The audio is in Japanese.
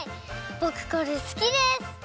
ぼくこれすきです！